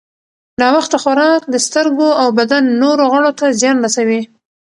ناوخته خوراک د سترګو او بدن نورو غړو ته زیان رسوي.